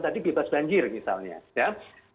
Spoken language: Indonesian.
jadi ini adalah penyebabnya dari penyelesaian akar banjir